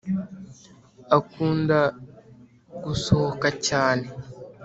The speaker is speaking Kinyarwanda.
akunda gusohoka cyane